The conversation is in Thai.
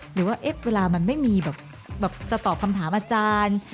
หรือว่าเวลามันไม่มีแบบจะตอบคำถามอาจารย์